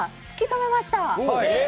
突き止めました。